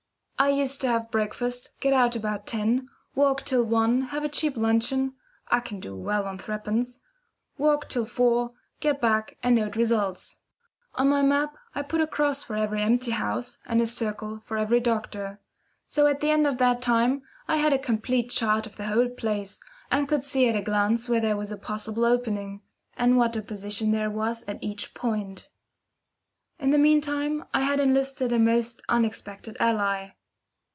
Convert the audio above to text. I used to have breakfast, get out about ten, walk till one, have a cheap luncheon (I can do well on three pence), walk till four, get back and note results. On my map I put a cross for every empty house and a circle for every doctor. So at the end of that time I had a complete chart of the whole place, and could see at a glance where there was a possible opening, and what opposition there was at each point. In the meantime I had enlisted a most unexpected ally.